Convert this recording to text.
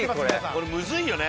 これムズいよね。